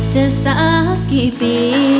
เจอสักทีพี่